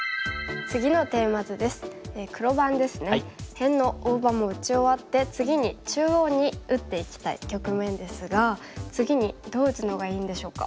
辺の大場も打ち終わって次に中央に打っていきたい局面ですが次にどう打つのがいいんでしょうか。